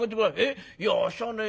いやあっしはね